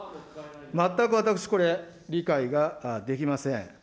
全く私、これ、理解ができません。